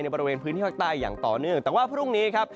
บริเวณพื้นที่ภาคใต้อย่างต่อเนื่องแต่ว่าพรุ่งนี้ครับ